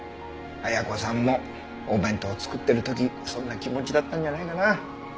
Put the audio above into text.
綾子さんもお弁当を作ってる時そんな気持ちだったんじゃないかな。